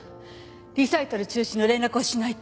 リサイタル中止の連絡をしないと。